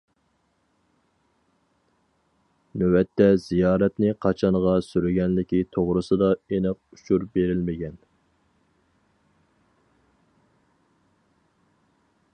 نۆۋەتتە زىيارەتنى قاچانغا سۈرگەنلىكى توغرىسىدا ئېنىق ئۇچۇر بېرىلمىگەن.